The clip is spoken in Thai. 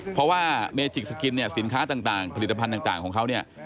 เพราะว่าเมจิกสกินเนี่ยสินค้าต่างผลิตภัณฑ์ต่างของเขาเนี่ย